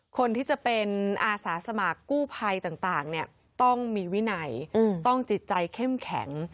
คนที่จะเป็นอาสาสมัครกู้ภัยต่างต้องมีวินัยต้องจิตใจเข้มแข็ง